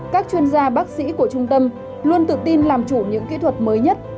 các chuyên gia bác sĩ của trung tâm luôn tự tin làm chủ những kỹ thuật mới nhất